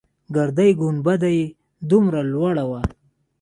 ګردۍ گنبده يې دومره لوړه وه.